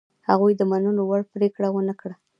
هغوی د منلو وړ پرېکړه ونه کړه.